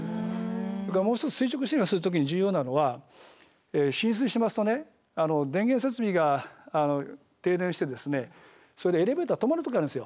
それからもう一つ垂直避難する時に重要なのは浸水しますと電源設備が停電してそれでエレベーター止まる時があるんですよ。